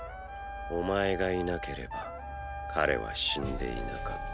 お前がいなければ彼は死んでいなかった。